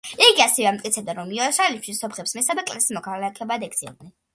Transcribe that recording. იგი ასევე ამტკიცებდა, რომ იერუსალიმში სომხებს მესამე კლასის მოქალაქეებად ექცეოდნენ.